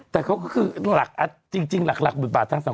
แต่เขาก็คือจริงหลักหมู่บาททั้งสอง